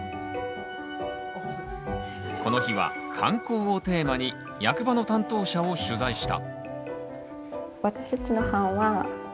この日は「観光」をテーマに役場の担当者を取材した。